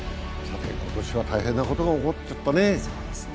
今年は大変なことが起こっちゃったね。